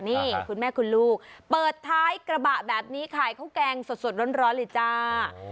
นี่คุณแม่คุณลูกเปิดท้ายกระบะแบบนี้ขายข้าวแกงสดร้อนเลยจ้า